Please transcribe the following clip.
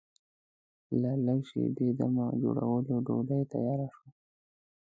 له لږ شېبې دمه جوړولو ډوډۍ تیاره شوه.